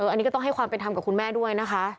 อันนี้ก็ต้องให้ความเป็นธรรมกับคุณแม่ด้วยนะคะ